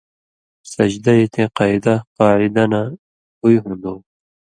سجدہ یی تے قَیدہ (قاعِدہ) نہ بُی ہون٘دُوں،